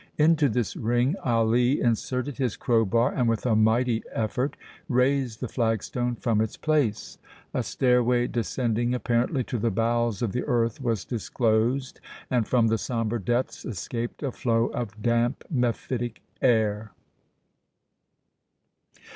Into this ring Ali inserted his crowbar and with a mighty effort raised the flagstone from its place. A stairway descending apparently to the bowels of the earth was disclosed, and from the sombre depths escaped a flow of damp, mephitic air.